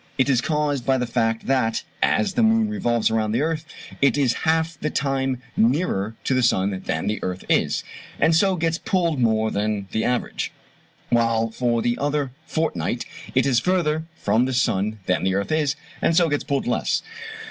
It is caused by the fact that as the moon revolves round the earth it is half the time nearer to the sun than the earth is, and so gets pulled more than the average, while for the other fortnight it is further from the sun than the earth is, and so gets pulled less.